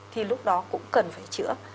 thì lúc đó cũng cần phải chữa